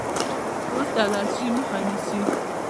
پوست الرجي مخه نیسي.